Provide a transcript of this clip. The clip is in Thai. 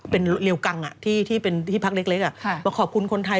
เมื่อกันเวลาที่พักเล็กมาขอบคุณคนไทย